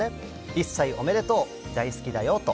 １歳おめでとう、だいすきだよと。